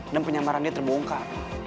dan penyamaran dia terbongkar